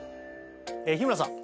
日村さん